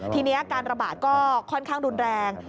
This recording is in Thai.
ทีนี้การระบาดก็ค่อนข้างรุนแรง